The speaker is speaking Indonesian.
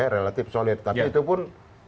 relatif solid tapi itu pun